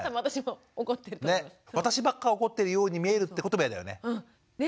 私ばっか怒ってるように見えるってことも嫌だよね。